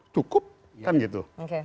cukup kan gitu